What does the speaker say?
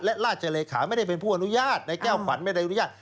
และราชเลขาไม่ได้เป็นผู้อนุญาตในแก้วฝันไม่ได้อนุญาต